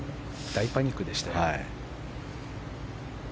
大パニックでしたよ。